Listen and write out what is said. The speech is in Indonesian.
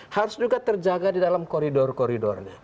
harus juga terjaga di dalam koridor koridornya